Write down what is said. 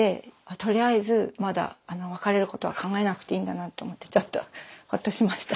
とりあえずまだ別れることは考えなくていいんだなと思ってちょっとほっとしました。